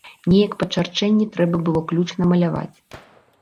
Неяк па чарчэнні трэба было ключ намаляваць.